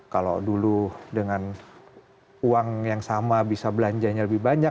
kalau dulu dengan uang yang sama bisa belanjanya lebih banyak